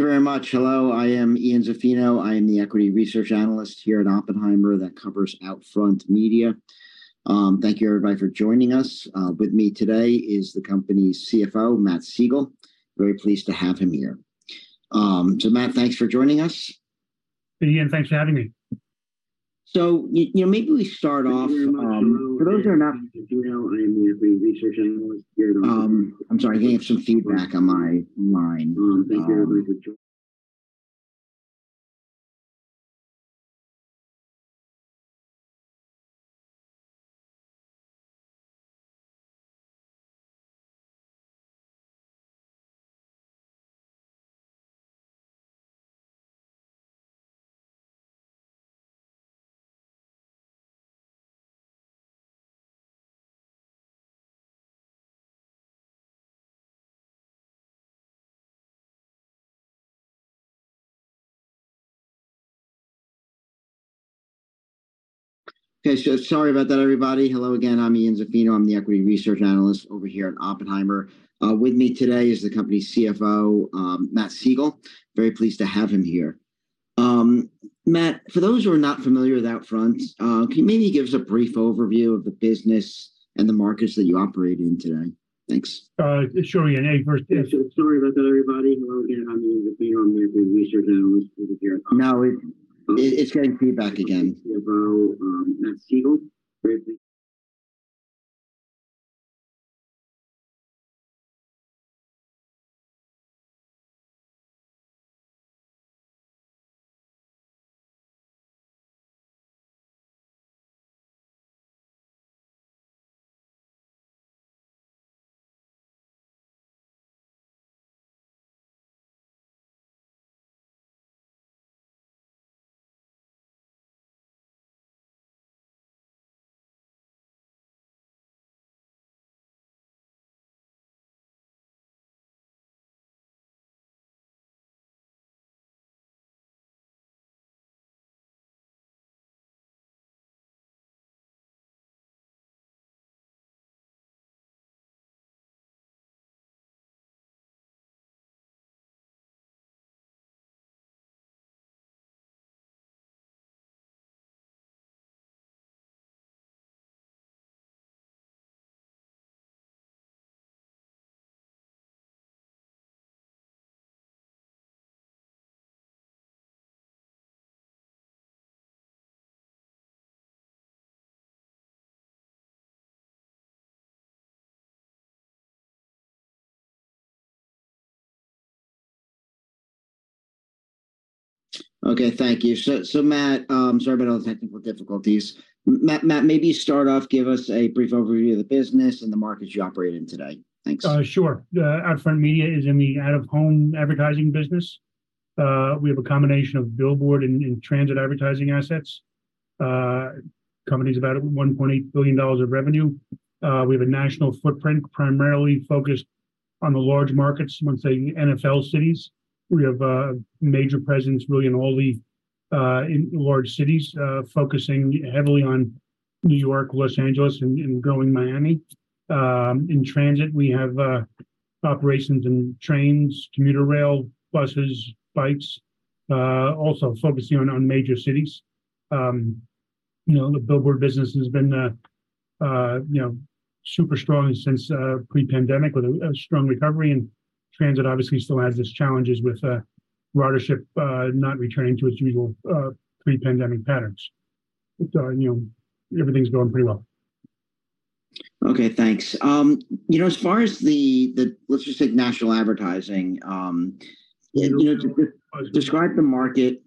Thank you very much. Hello, I am Ian Zaffino. I am the equity research analyst here at Oppenheimer that covers OUTFRONT Media. Thank you, everybody, for joining us. With me today is the company's CFO, Matthew Siegel. Very pleased to have him here. Matt, thanks for joining us. Hey, Ian, thanks for having me. Y- you know, maybe we start off. For those who are not- I'm sorry, I think I have some feedback on my line. Thank you, everybody, for jo- Okay, sorry about that, everybody. Hello again, I'm Ian Zaffino. I'm the equity research analyst over here at Oppenheimer. With me today is the company's CFO, Matthew Siegel. Very pleased to have him here. Matt, for those who are not familiar with OUTFRONT, can you maybe give us a brief overview of the business and the markets that you operate in today? Thanks. Sure, Ian. Hey. Sorry about that, everybody. Hello again, I'm Ian Zaffino. I'm the equity research analyst here at- No, it, it's getting feedback again. About Matthew Siegel. Okay, thank you. Matt, sorry about all the technical difficulties. Matt, Matt, maybe start off, give us a brief overview of the business and the markets you operate in today. Thanks. Sure. OUTFRONT Media is in the out-of-home advertising business. We have a combination of billboard and, and transit advertising assets. Company's about $1.8 billion of revenue. We have a national footprint, primarily focused on the large markets, one saying NFL cities. We have major presence really in all the in large cities, focusing heavily on New York, Los Angeles, and growing Miami. In transit, we have operations in trains, commuter rail, buses, bikes, also focusing on major cities. You know, the billboard business has been, you know, super strong since pre-pandemic, with a strong recovery. Transit obviously still has its challenges with ridership not returning to its usual pre-pandemic patterns. You know, everything's going pretty well. Okay, thanks. You know, as far as the, the, let's just say national advertising. You know. Describe the market,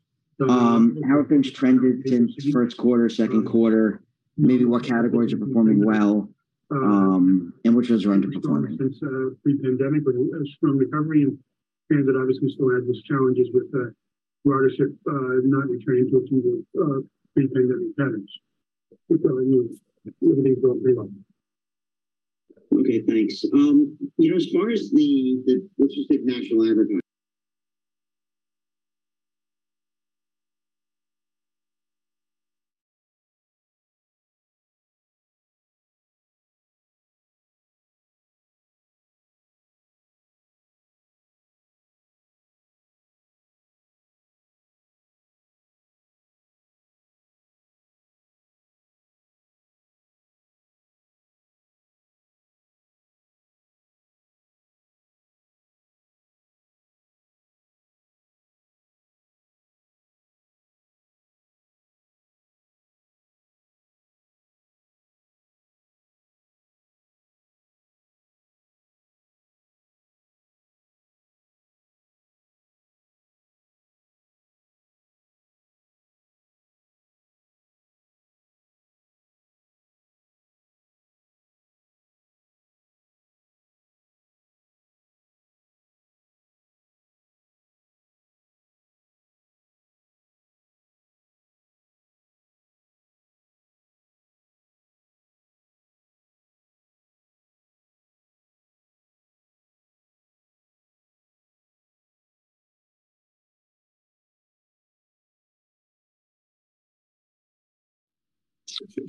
how it's trended since first quarter, second quarter, maybe what categories are performing well, and which ones are underperforming. Since pre-pandemic, but a strong recovery and, and that obviously still has its challenges with ridership, not returning to its pre-pandemic patterns. You know, everything's going pretty well. Okay, thanks. You know, as far as the, let's just say national advertising- ...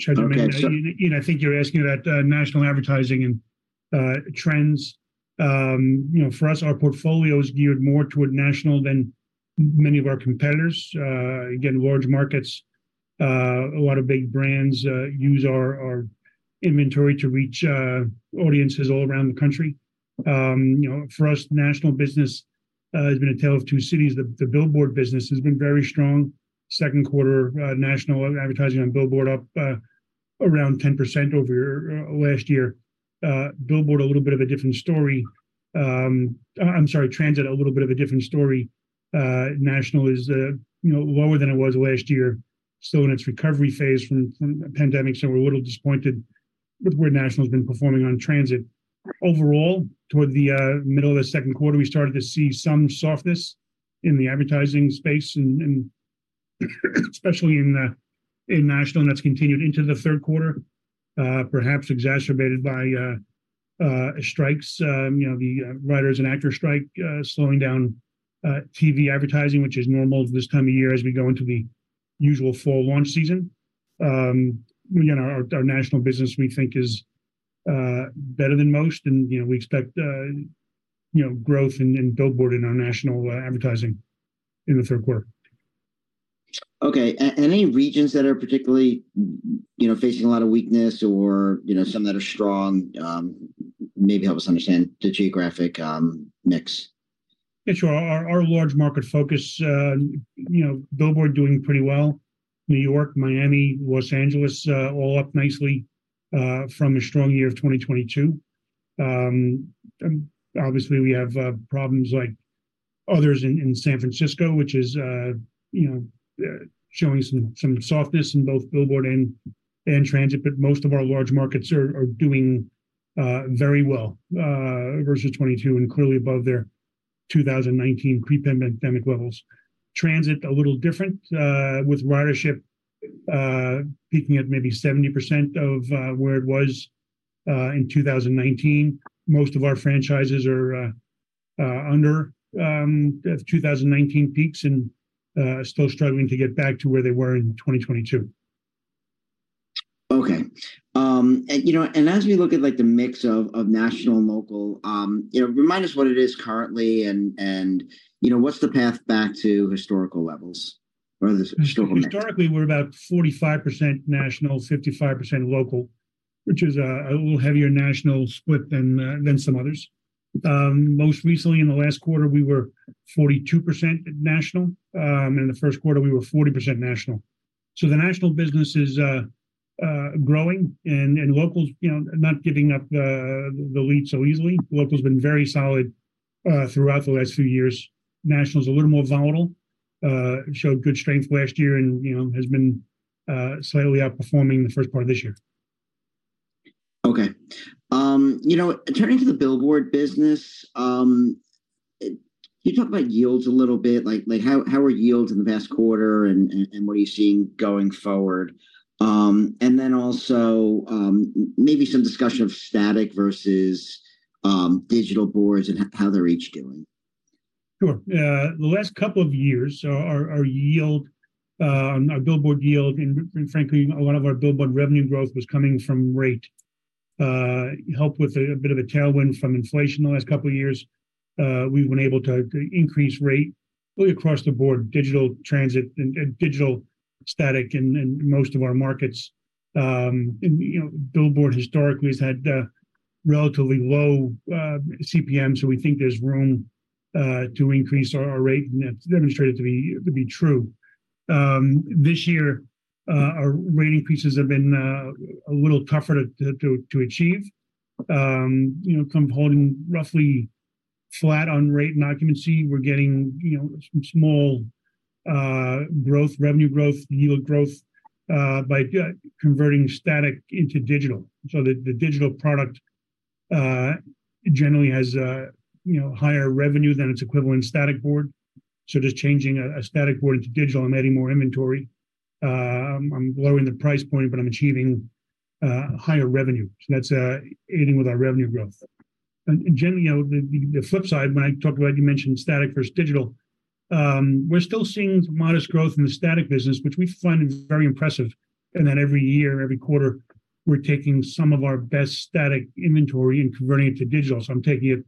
you know, I think you're asking about national advertising and trends. you know, for us, our portfolio is geared more toward national than m- many of our competitors. Again, large markets, a lot of big brands, use our, our inventory to reach audiences all around the country. you know, for us, national business has been a tale of two cities. The, the billboard business has been very strong. Second quarter, national advertising on billboard up around 10% over last year. Billboard, a little bit of a different story. I, I'm sorry, transit, a little bit of a different story. National is, you know, lower than it was last year, still in its recovery phase from, from the pandemic, so we're a little disappointed with where national's been performing on transit. Overall, toward the middle of the second quarter, we started to see some softness in the advertising space and, and, especially in national, and that's continued into the third quarter, perhaps exacerbated by strikes. You know, the writers and actors strike, slowing down TV advertising, which is normal this time of year as we go into the usual fall launch season. Again, our national business, we think is better than most, and, you know, we expect, you know, growth in in billboard and our national advertising in the third quarter. Okay. Any regions that are particularly, you know, facing a lot of weakness or, you know, some that are strong? Maybe help us understand the geographic mix. Yeah, sure. Our, our large market focus, you know, billboard doing pretty well. New York, Miami, Los Angeles, all up nicely from a strong year of 2022. Obviously, we have problems like others in San Francisco, which is you know, showing some softness in both billboard and transit, but most of our large markets are doing very well versus 2022, and clearly above their 2019 pre-pandemic levels. Transit, a little different, with ridership peaking at maybe 70% of where it was in 2019. Most of our franchises are under the 2019 peaks and still struggling to get back to where they were in 2022. Okay. You know, and as we look at, like, the mix of, of national and local, you know, remind us what it is currently and, and, you know, what's the path back to historical levels or the historical mix? Historically, we're about 45% national, 55% local, which is a, a little heavier national split than some others. Most recently in the last quarter, we were 42% national. In the first quarter, we were 40% national. The national business is growing, and local, you know, not giving up the lead so easily. Local's been very solid throughout the last few years. National's a little more volatile, showed good strength last year and, you know, has been slightly outperforming the first part of this year. Okay. you know, turning to the billboard business, can you talk about yields a little bit? Like, like, how, how are yields in the past quarter, and, and, and what are you seeing going forward? Also, maybe some discussion of static versus, digital boards and how they're each doing. Sure. The last couple of years, our, our yield, our billboard yield, and frankly, a lot of our billboard revenue growth was coming from rate. Helped with a, a bit of a tailwind from inflation the last couple of years, we've been able to, to increase rate really across the board, digital, transit, and digital static in, in most of our markets. You know, billboard historically has had a relatively low CPM, so we think there's room to increase our, our rate, and that's demonstrated to be, to be true. This year, our rating increases have been a little tougher to, to, to achieve. You know, withholding roughly flat on rate and occupancy, we're getting, you know, some small growth, revenue growth, yield growth, by converting static into digital. The digital product generally has a, you know, higher revenue than its equivalent static board. Just changing a static board into digital, I'm adding more inventory, I'm lowering the price point, but I'm achieving higher revenue, so that's aiding with our revenue growth. Generally, you know, the flip side, when I talked about you mentioned static versus digital, we're still seeing modest growth in the static business, which we find is very impressive, and that every year and every quarter, we're taking some of our best static inventory and converting it to digital. I'm taking it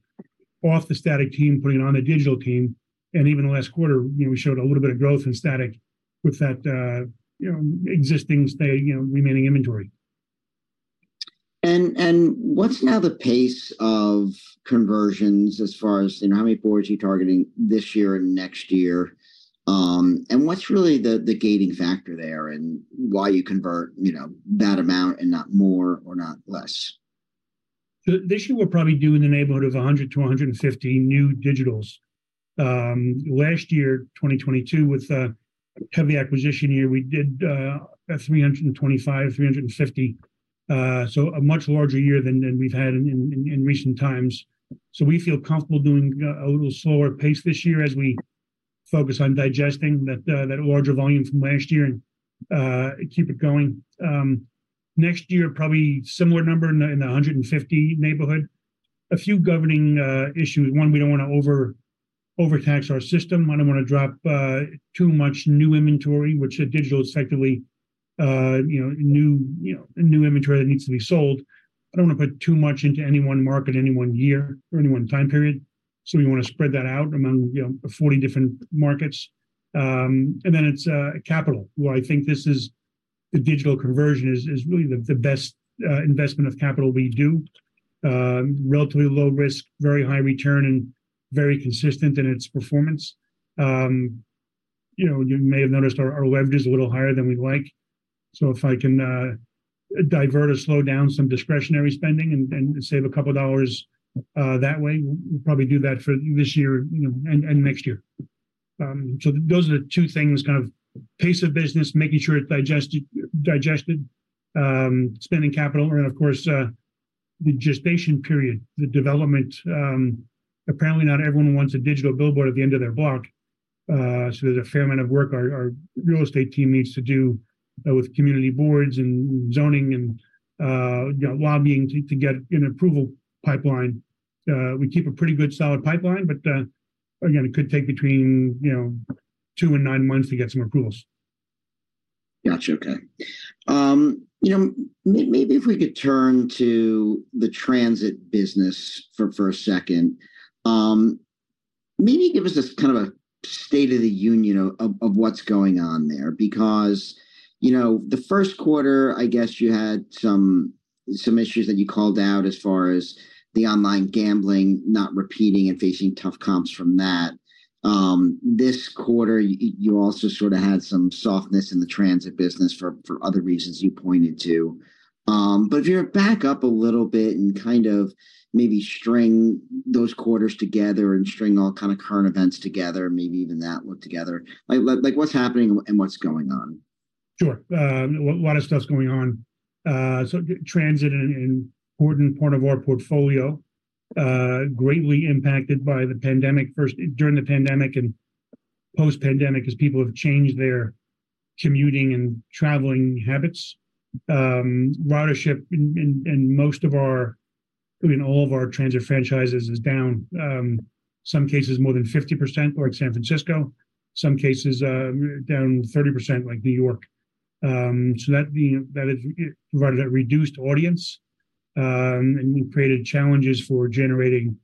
off the static team, putting it on the digital team, and even the last quarter, you know, we showed a little bit of growth in static with that, you know, existing, you know, remaining inventory. What's now the pace of conversions as far as, you know, how many boards are you targeting this year and next year? What's really the, the gating factor there, and why you convert, you know, that amount and not more or not less? This year, we're probably doing in the neighborhood of 100 new digitals-150 new digitals. Last year, 2022, with a heavy acquisition year, we did about 325 new digitals-350 new digitals. A much larger year than, than we've had in, in, in recent times. We feel comfortable doing a, a little slower pace this year as we focus on digesting that larger volume from last year and keep it going. Next year, probably similar number in the, in the 150 neighborhood. A few governing issues. One, we don't wanna overtax our system. I don't wanna drop too much new inventory, which the digital is effectively, you know, new, you know, new inventory that needs to be sold. I don't wanna put too much into any one market, any one year, or any one time period, so we wanna spread that out among, you know, 40 different markets. Then it's capital, where I think this is the digital conversion is really the best investment of capital we do. Relatively low risk, very high return, and very consistent in its performance. You know, you may have noticed our leverage is a little higher than we'd like, so if I can divert or slow down some discretionary spending and save a couple of dollars that way, we'll probably do that for this year, you know, and next year. Those are the two things, kind of pace of business, making sure it's digested, digested, spending capital and, of course, the gestation period, the development. Apparently, not everyone wants a digital billboard at the end of their block, so there's a fair amount of work our, our real estate team needs to do, with community boards and zoning and, you know, lobbying to, to get an approval pipeline. We keep a pretty good solid pipeline, again, it could take between, you know, two and nine months to get some approvals. Gotcha. Okay. You know, maybe if we could turn to the transit business for, for a second. Maybe give us just kind of a state of the union of, of what's going on there, because, you know, the first quarter, I guess you had some, some issues that you called out as far as the online gambling not repeating and facing tough comps from that. This quarter, you also sort of had some softness in the transit business for, for other reasons you pointed to. If you're back up a little bit and kind of maybe string those quarters together and string all kind of current events together, and maybe even that look together, like, what's happening and what's going on? Sure. A lot, a lot of stuff's going on. Transit an, an important part of our portfolio, greatly impacted by the pandemic, first during the pandemic and post-pandemic, as people have changed their commuting and traveling habits. Ridership in, in, in most of our-- in all of our transit franchises is down, some cases more than 50%, like San Francisco. Some cases, down 30% like New York. That be-- that is provided a reduced audience, and we've created challenges for generating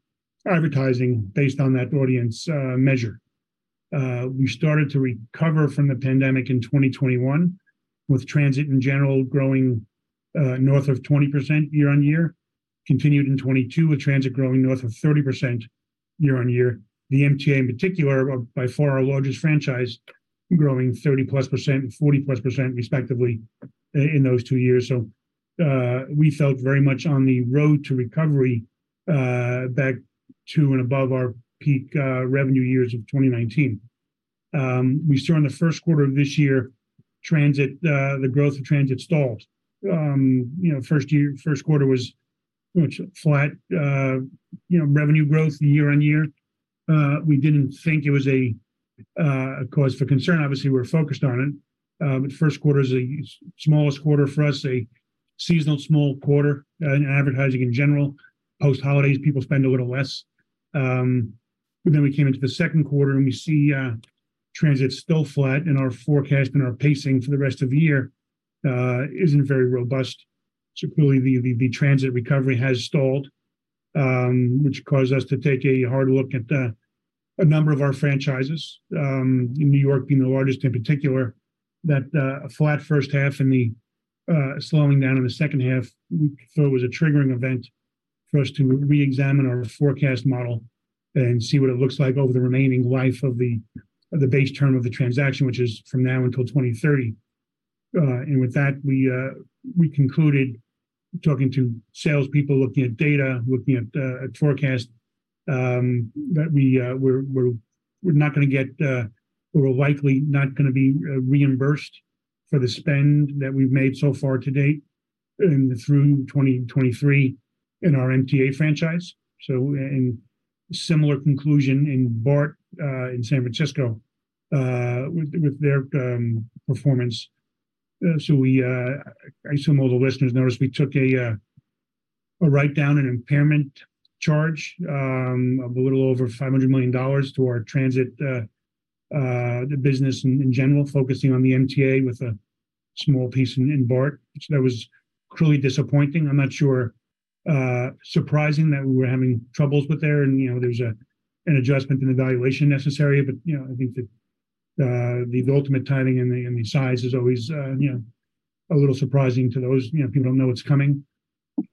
advertising based on that audience measure. We started to recover from the pandemic in 2021, with transit in general growing north of 20% year-on-year, continued in 2022, with transit growing north of 30% year-on-year. The MTA, in particular, are by far our largest franchise, growing 30%+ and 40%+ respectively in those two years. We felt very much on the road to recovery, back to and above our peak revenue years of 2019. We saw in the first quarter of this year, transit, the growth of transit stalled. You know, first quarter was pretty much flat, you know, revenue growth year-on-year. We didn't think it was a cause for concern. Obviously, we're focused on it. First quarter is the smallest quarter for us, a seasonal small quarter in advertising in general. Post-holidays, people spend a little less. Then we came into the second quarter, and we see transit still flat, and our forecast and our pacing for the rest of the year isn't very robust. Clearly, the, the, the transit recovery has stalled, which caused us to take a hard look at a number of our franchises in New York being the largest in particular. That flat first half and the slowing down in the second half, we felt it was a triggering event for us to reexamine our forecast model and see what it looks like over the remaining life of the base term of the transaction, which is from now until 2030. With that, we concluded, talking to salespeople, looking at data, looking at forecast, that we're not gonna get, we're likely not gonna be reimbursed for the spend that we've made so far to date, through 2023 in our MTA franchise. A similar conclusion in BART, in San Francisco, with their performance. We, I assume all the listeners noticed we took a write-down and impairment charge of a little over $500 million to our transit business in general, focusing on the MTA with a small piece in BART, which that was truly disappointing. I'm not sure surprising that we were having troubles with there. You know, there's an adjustment and evaluation necessary. You know, I think the ultimate timing and the size is always, you know, a little surprising to those. You know, people don't know what's coming.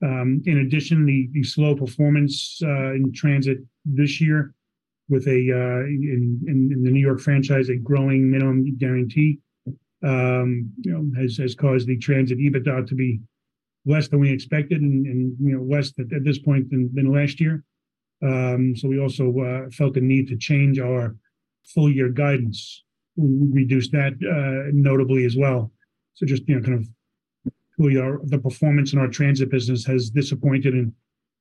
In addition, the slow performance in transit this year with in the New York franchise, a growing minimum guarantee, you know, has caused the transit EBITDA to be less than we expected and, you know, less at this point than last year. We also felt the need to change our full year guidance. We reduced that notably as well. Just, you know, kind of who we are. The performance in our transit business has disappointed and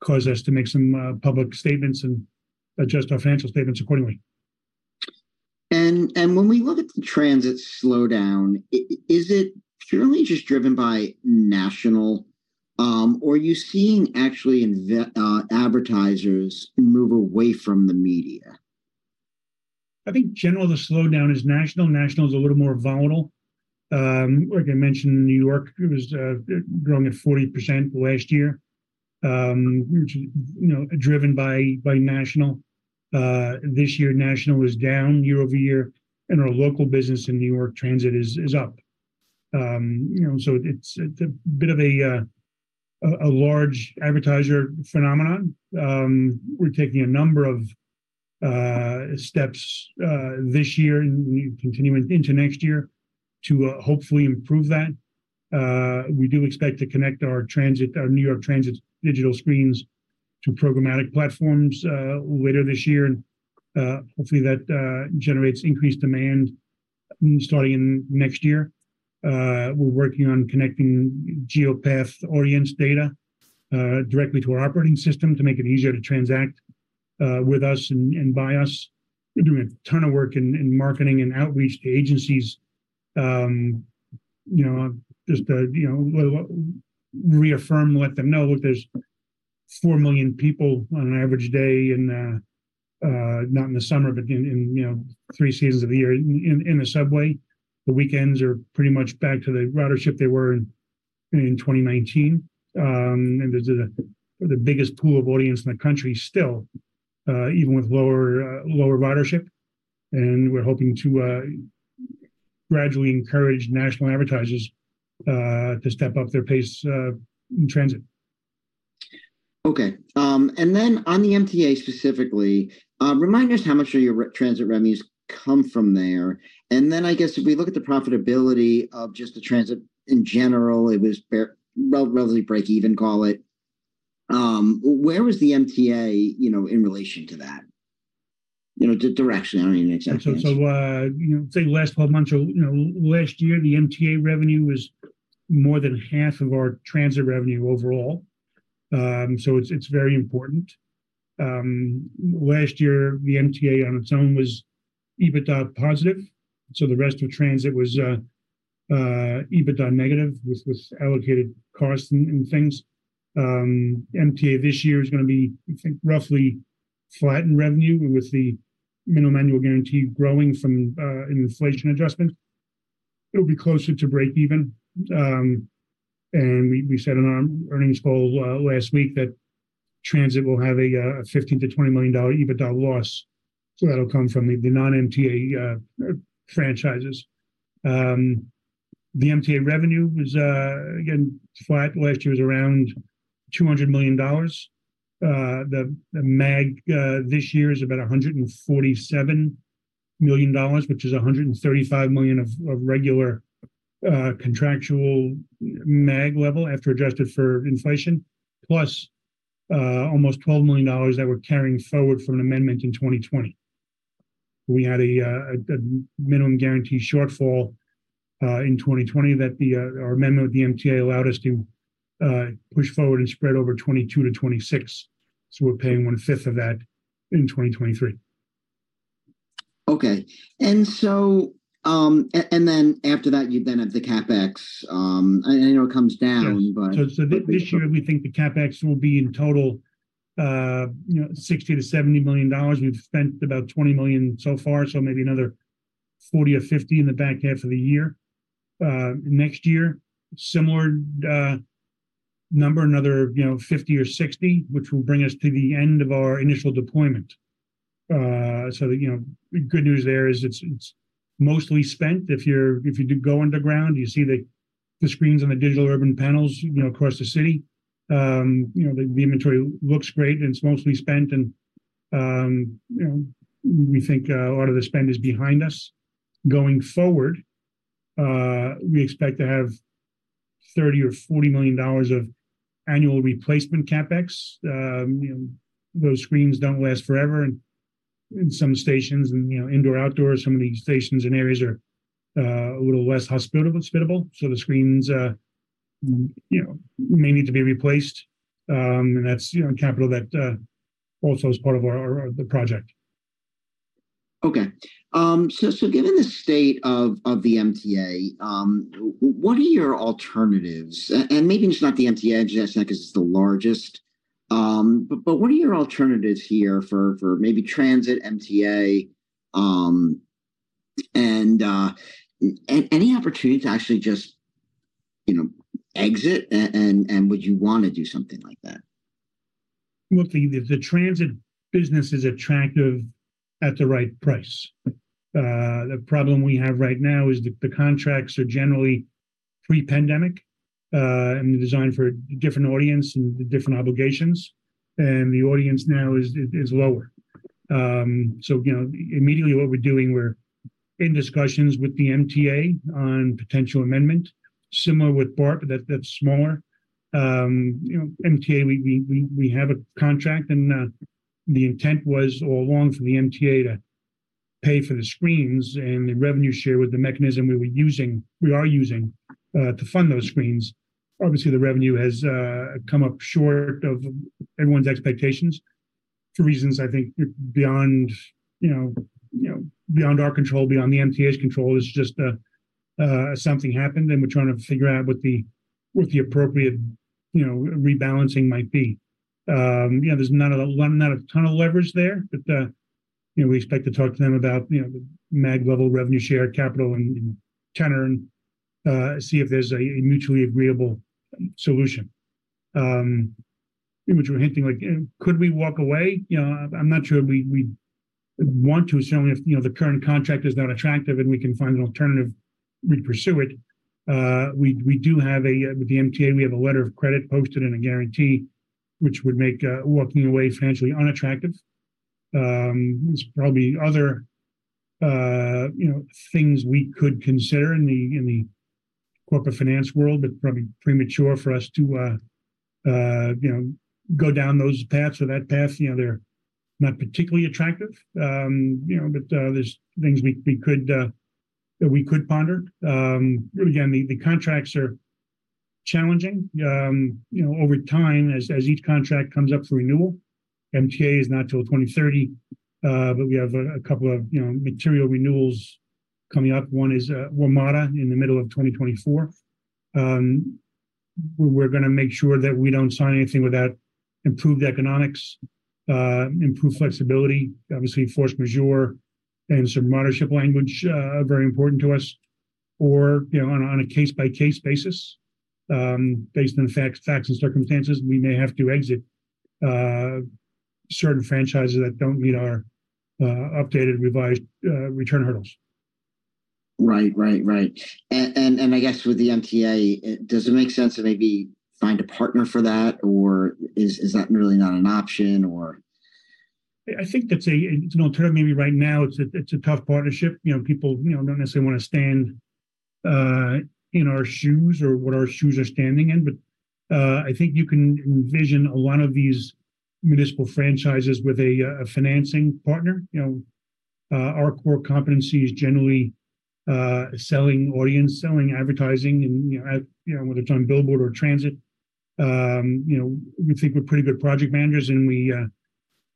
caused us to make some public statements and adjust our financial statements accordingly. When we look at the transit slowdown, is it purely just driven by national, or are you seeing actually advertisers move away from the media? I think generally the slowdown is national. National is a little more volatile. Like I mentioned, New York was growing at 40% last year, which, you know, driven by, by national. This year, national was down year-over-year, and our local business in New York transit is up. You know, so it's, it's a bit of a large advertiser phenomenon. We're taking a number of steps this year and continuing into next year to hopefully improve that. We do expect to connect our transit, our New York Transit digital screens to programmatic platforms later this year, and hopefully that generates increased demand starting in next year. We're working on connecting Geopath audience data directly to our operating system to make it easier to transact with us and by us. We're doing a ton of work in, in marketing and outreach to agencies. You know, just to, you know, reaffirm, let them know that there's four million people on an average day in the not in the summer, but in, in, you know, three seasons of the year. In, in the subway, the weekends are pretty much back to the ridership they were in, in 2019. There's a, the biggest pool of audience in the country still, even with lower, lower ridership. We're hoping to gradually encourage national advertisers to step up their pace in transit. Okay. Then on the MTA specifically, remind us how much of your transit revenues come from there. Then I guess if we look at the profitability of just the transit in general, it was well, relatively break even, call it. Where was the MTA, you know, in relation to that? You know, directionally, I mean, exactly. you know, say the last 12 months or, you know, last year, the MTA revenue was more than half of our transit revenue overall. It's very important. Last year, the MTA on its own was EBITDA positive, so the rest of transit was EBITDA negative, with allocated costs and things. MTA this year is gonna be, I think, roughly flattened revenue, with the minimum annual guarantee growing from an inflation adjustment. It'll be closer to break even. We said in our earnings call last week that transit will have a $15 million-$20 million EBITDA loss. That'll come from the non-MTA franchises. The MTA revenue was again, flat. Last year was around $200 million. The MAG this year is about $147 million, which is $135 million of regular contractual MAG level after adjusted for inflation, plus almost $12 million that we're carrying forward from an amendment in 2020. We had a minimum guarantee shortfall in 2020 that the amendment of the MTA allowed us to push forward and spread over 2022-2026. We're paying 1/5 of that in 2023. Okay. So, and then after that, you then have the CapEx. I, I know it comes down, but- This year, we think the CapEx will be in total, you know, $60 million-$70 million. We've spent about $20 million so far, so maybe another $40 million or $50 million in the back half of the year. Next year, similar number, another, you know, $50 million or $60 million, which will bring us to the end of our initial deployment. You know, the good news there is it's, it's mostly spent. If you do go underground, you see the screens on the Digital Urban Panels, you know, across the city. You know, the inventory looks great, and it's mostly spent. You know, we think a lot of the spend is behind us. Going forward, we expect to have $30 million or $40 million of annual replacement CapEx. you know, those screens don't last forever, and in some stations and, you know, indoor, outdoors, some of these stations and areas are a little less hospitable, so the screens, you know, may need to be replaced. That's, you know, capital that also is part of our, our, the project. Given the state of the MTA, what are your alternatives? Maybe just not the MTA, just because it's the largest. What are your alternatives here for maybe Transit MTA? Any opportunity to actually just, you know, exit, and would you want to do something like that? Look, the, the transit business is attractive at the right price. The problem we have right now is the, the contracts are generally pre-pandemic, and designed for a different audience and different obligations, and the audience now is, is lower. You know, immediately what we're doing, we're in discussions with the MTA on potential amendment, similar with BART, that's, that's smaller. You know, MTA, we, we, we, we have a contract and, the intent was all along for the MTA to pay for the screens and the revenue share with the mechanism we were using, we are using, to fund those screens. Obviously, the revenue has come up short of everyone's expectations for reasons I think beyond, you know, you know, beyond our control, beyond the MTA's control. It's just that something happened, and we're trying to figure out what the, what the appropriate, you know, rebalancing might be. You know, there's not a lot, not a ton of leverage there, but, you know, we expect to talk to them about, you know, the MAG level revenue share, capital, and, and tenor, and see if there's a, a mutually agreeable solution. In which we're hinting like, could we walk away? You know, I'm not sure we, we want to. Certainly if, you know, the current contract is not attractive and we can find an alternative, we'd pursue it. We, we do have a, with the MTA, we have a letter of credit posted and a guarantee, which would make walking away financially unattractive. There's probably other, you know, things we could consider in the, in the corporate finance world, but probably premature for us to, you know, go down those paths or that path. You know, they're not particularly attractive. You know, but there's things we, we could, that we could ponder. Again, the, the contracts are challenging. You know, over time, as, as each contract comes up for renewal, MTA is not till 2030, but we have a, a couple of, you know, material renewals coming up. One is, WMATA in the middle of 2024. We're gonna make sure that we don't sign anything without improved economics, improved flexibility, obviously force majeure and some mothership language, very important to us, or, you know, on a, on a case-by-case basis. Based on the facts, facts, and circumstances, we may have to exit certain franchises that don't meet our updated, revised, return hurdles. Right, right, right. And, and, I guess with the MTA, does it make sense to maybe find a partner for that, or is, is that really not an option, or? I think it's an alternative. Maybe right now, it's a, it's a tough partnership. You know, people, you know, don't necessarily wanna stand in our shoes or what our shoes are standing in. I think you can envision a lot of these municipal franchises with a financing partner. You know, our core competency is generally selling audience, selling advertising, and, you know, you know, whether it's on billboard or transit. You know, we think we're pretty good project managers, and we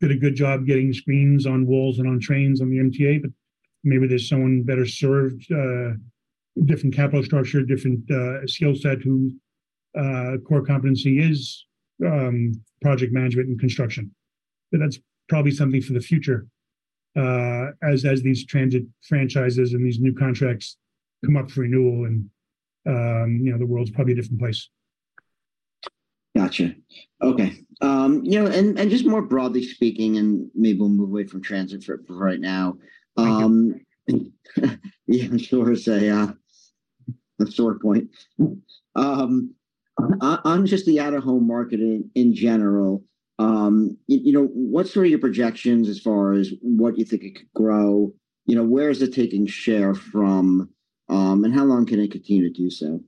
did a good job getting screens on walls and on trains on the MTA, but maybe there's someone better served, different capital structure, different skill set, whose core competency is project management and construction. That's probably something for the future, as, as these transit franchises and these new contracts come up for renewal and, you know, the world's probably a different place. Gotcha. Okay. You know, just more broadly speaking, maybe we'll move away from transit for, for right now. Yeah, I'm sure it's a sore point. On, on just the out-of-home marketing in general, you know, what's sort of your projections as far as what you think it could grow? You know, where is it taking share from, how long can it continue to do so?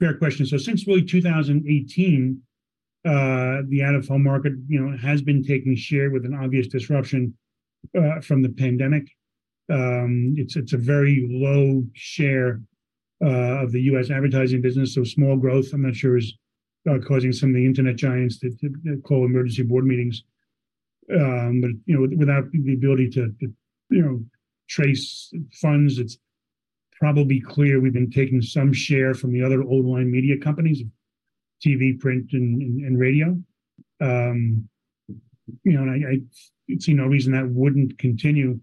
Fair question. Since really 2018, the out-of-home market, you know, has been taking share with an obvious disruption from the pandemic. It's, it's a very low share of the U.S. advertising business, so small growth, I'm not sure is causing some of the internet giants to, to, to call emergency board meetings. You know, without the ability to, to, you know, trace funds, it's probably clear we've been taking some share from the other old line media companies: TV, print, and, and, and radio. You know, and I, I see no reason that wouldn't continue.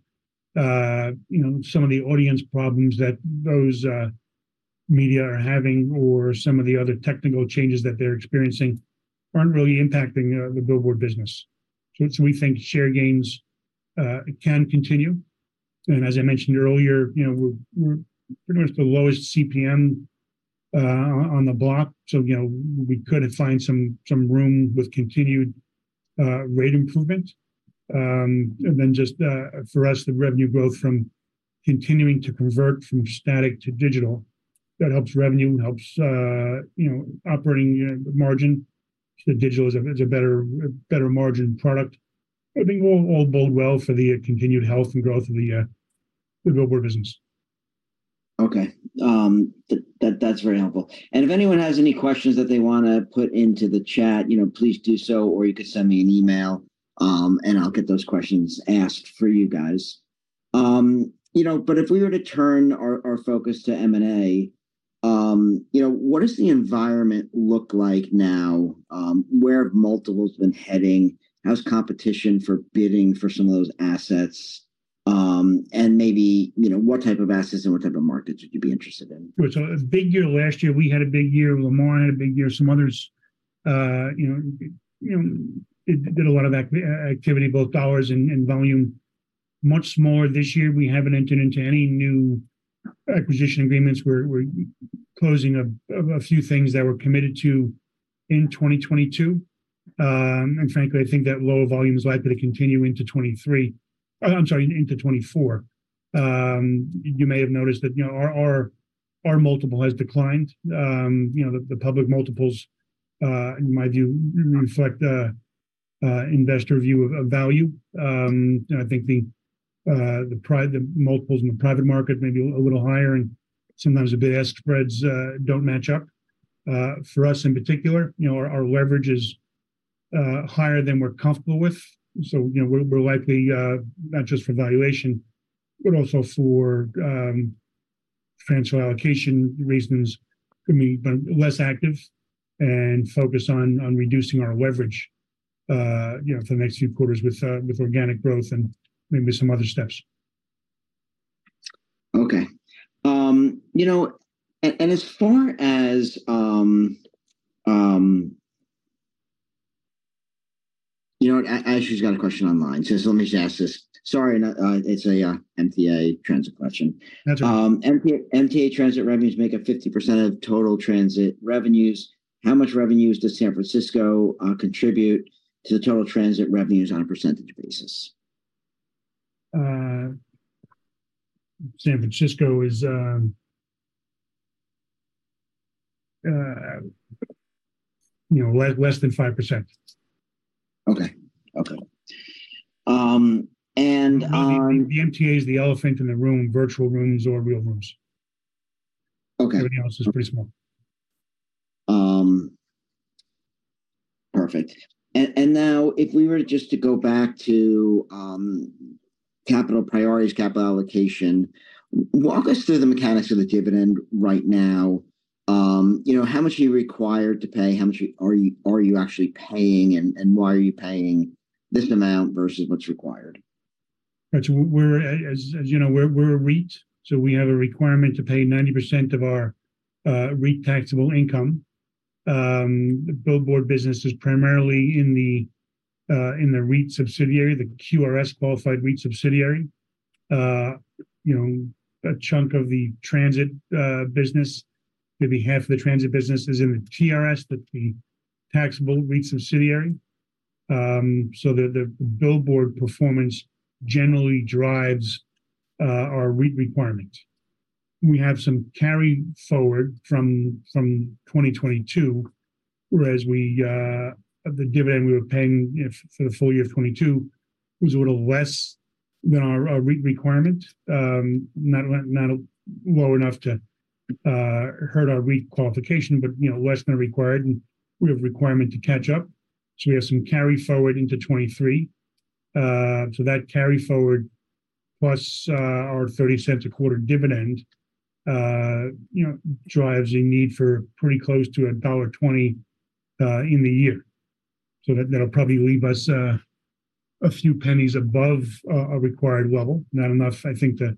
You know, some of the audience problems that those media are having or some of the other technical changes that they're experiencing aren't really impacting the billboard business. We think share gains can continue. As I mentioned earlier, you know, we're, we're pretty much the lowest CPM on the block, so, you know, we could find some, some room with continued rate improvement. Then just, for us, the revenue growth from continuing to convert from static to digital, that helps revenue and helps, you know, operating, you know, margin. The digital is a, is a better, better margin product. I think all, all bode well for the continued health and growth of the billboard business. Okay. That, that, that's very helpful. If anyone has any questions that they wanna put into the chat, you know, please do so, or you can send me an email. I'll get those questions asked for you guys. You know, if we were to turn our, our focus to M&A, you know, what does the environment look like now? Where have multiples been heading? How's competition for bidding for some of those assets? Maybe, you know, what type of assets and what type of markets would you be interested in? It's a big year. Last year, we had a big year. Lamar had a big year. Some others, you know, you know, did, did a lot of activity, both dollars and, and volume. Much more this year, we haven't entered into any new acquisition agreements. We're closing a few things that we're committed to in 2022. Frankly, I think that low volume is likely to continue into 2023... I'm sorry, into 2024. You may have noticed that, you know, our multiple has declined. You know, the public multiples, in my view, reflect investor view of value. I think the multiples in the private market may be a little higher, and sometimes the bid-ask spreads don't match up. For us, in particular, you know, our leverage is higher than we're comfortable with, so, you know, we're likely, not just for valuation, but also for financial allocation reasons, could be but less active and focused on reducing our leverage, you know, for the next few quarters with organic growth and maybe some other steps. Okay. You know, and as far as... You know what? Ashley's got a question online, so just let me just ask this. Sorry, it's a MTA transit question. That's all right. MTA transit revenues make up 50% of total transit revenues. How much revenues does San Francisco contribute to the total transit revenues on a percentage basis? San Francisco is, you know, less, less than 5%. Okay. Okay, and, The MTA is the elephant in the room, virtual rooms or real rooms. Okay. Everything else is pretty small. Perfect. Now if we were to just to go back to, capital priorities, capital allocation, w- walk us through the mechanics of the dividend right now. You know, how much are you required to pay? How much are you, are you actually paying, and why are you paying this amount versus what's required? That's where, as, as you know, we're, we're a REIT, so we have a requirement to pay 90% of our REIT taxable income. The billboard business is primarily in the, in the REIT subsidiary, the QRS Qualified REIT subsidiary. You know, a chunk of the transit business, maybe half of the transit business is in the TRS, the taxable REIT subsidiary. So the, the billboard performance generally drives our REIT requirement. We have some carry forward from, from 2022, whereas we, the dividend we were paying, you know, for the full year of 2022, was a little less than our, our REIT requirement. Not, not low enough to hurt our REIT qualification, but, you know, less than required, and we have a requirement to catch up, so we have some carry forward into 2023. That carry forward, plus our $0.30 a quarter dividend, you know, drives a need for pretty close to $1.20 in the year. That'll probably leave us a few pennies above a required level. Not enough, I think, to,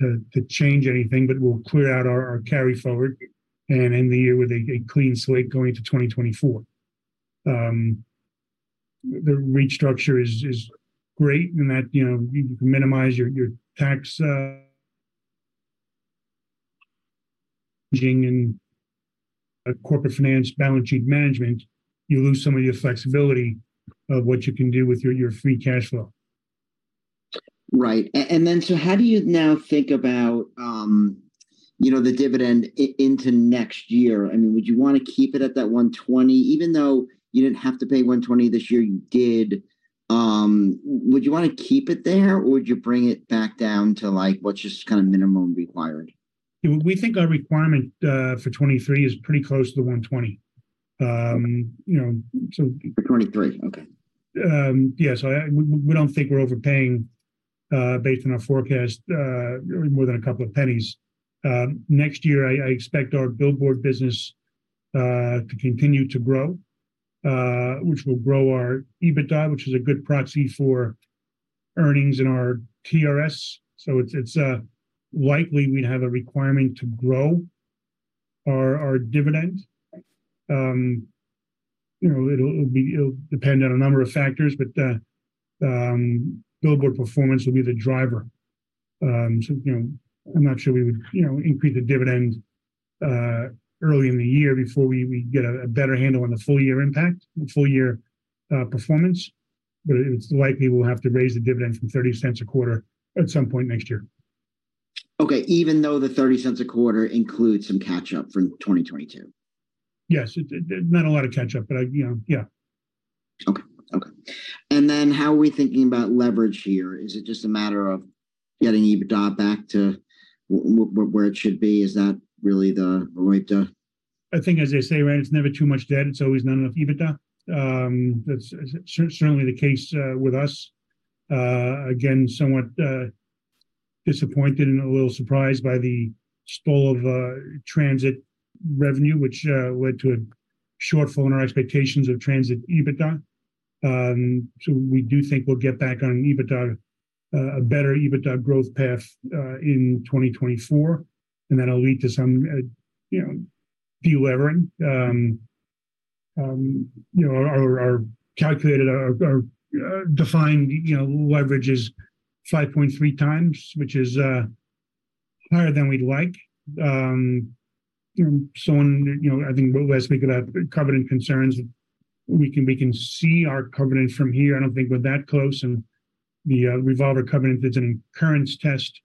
to, to change anything, but we'll clear out our, our carry forward and end the year with a, a clean slate going to 2024. The REIT structure is, is great, and that, you know, you can minimize your, your taxation and a corporate finance balance sheet management, you lose some of your flexibility of what you can do with your, your free cash flow. Right. How do you now think about, you know, the dividend into next year? I mean, would you wanna keep it at that $1.20, even though you didn't have to pay $1.20 this year, you did? Would you wanna keep it there, or would you bring it back down to, like, what's just kind of minimum required? We think our requirement for 2023 is pretty close to the $120. You know. 2023, okay. Yeah, I, we, we don't think we're overpaying, based on our forecast, more than $0.02. Next year, I, I expect our billboard business to continue to grow, which will grow our EBITDA, which is a good proxy for earnings in our TRS. It's, it's likely we'd have a requirement to grow our, our dividend. You know, it'll, it'll depend on a number of factors, but billboard performance will be the driver. You know, I'm not sure we would, you know, increase the dividend early in the year before we, we get a, a better handle on the full year impact, the full year performance. It's likely we'll have to raise the dividend from $0.30 a quarter at some point next year. Okay, even though the $0.30 a quarter includes some catch-up from 2022? Yes, it did. Not a lot of catch-up, but, you know, yeah. Okay. Okay, how are we thinking about leverage here? Is it just a matter of getting EBITDA back to where it should be? Is that really the right? I think, as they say, right, it's never too much debt, it's always not enough EBITDA. That's certainly the case with us. Again, somewhat disappointed and a little surprised by the stall of transit revenue, which led to a shortfall in our expectations of transit EBITDA. We do think we'll get back on EBITDA a better EBITDA growth path in 2024, and that'll lead to some, you know, de-levering. You know, our, our calculated, our, our defined, you know, leverage is 5.3x, which is higher than we'd like. You know, I think we're less worried about covenant concerns. We can, we can see our covenant from here. I don't think we're that close. The revolver covenant, it's an incurrence test,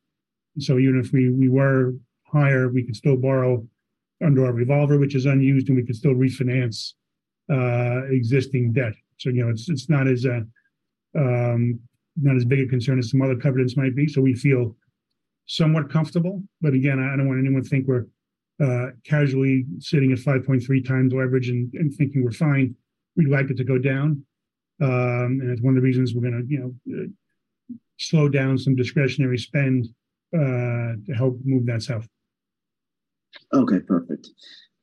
so even if we, we were higher, we could still borrow under our revolver, which is unused, and we could still refinance existing debt. You know, it's, it's not as not as big a concern as some other covenants might be, so we feel somewhat comfortable. Again, I don't want anyone to think we're casually sitting at 5.3x leverage and, and thinking we're fine. We'd like it to go down, and it's one of the reasons we're gonna, you know, slow down some discretionary spend to help move that south. Okay, perfect.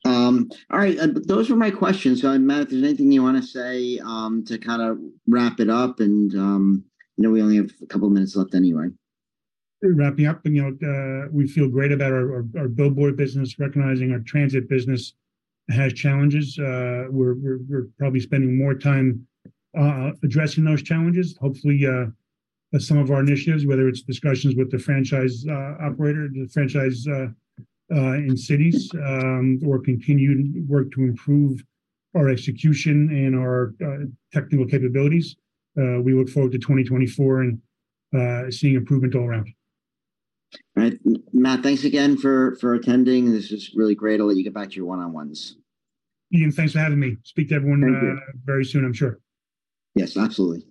All right, those were my questions. Matt, if there's anything you wanna say, to kind of wrap it up and, you know, we only have a couple of minutes left anyway. Wrapping up, and, you know, we feel great about our, our, our billboard business, recognizing our transit business has challenges. We're, we're, we're probably spending more time addressing those challenges. Hopefully, some of our initiatives, whether it's discussions with the franchise, operator, the franchise, in cities, or continued work to improve our execution and our technical capabilities. We look forward to 2024 and seeing improvement all around. All right, Matt, thanks again for, for attending. This is really great. I'll let you get back to your one-on-ones. Ian, thanks for having me. Speak to everyone- Thank you.... very soon, I'm sure. Yes, absolutely. All right.